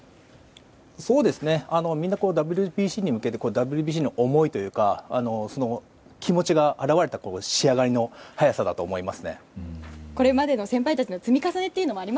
みんな、ＷＢＣに向けてＷＢＣへの思いというか気持ちが表れた仕上がりの早さだと思います。